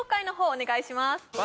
お願いします